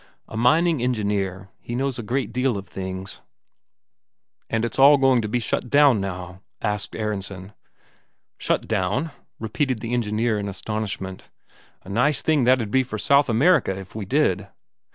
A mining engineer, he knows a deal of things. "And it's all going to shut down now?" asked Aronsen. "Shut down?" repeated the engineer in astonishment. "A nice thing that'd be for South America if we did!"